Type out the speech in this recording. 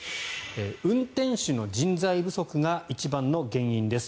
運転手の人材不足が一番の原因です。